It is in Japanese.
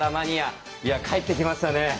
いや帰ってきましたね。